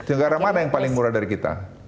negara mana yang paling murah dari kita